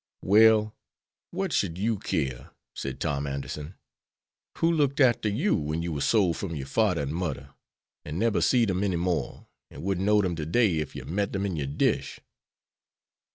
"Well, what should you keer?" said Tom Anderson. "Who looked arter you when you war sole from your farder and mudder, an' neber seed dem any more, and wouldn't know dem to day ef you met dem in your dish?"